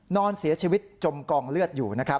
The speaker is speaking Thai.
นอนเสียชีวิตจมกองเลือดอยู่